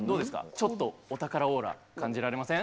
ちょっとお宝オーラ感じられません？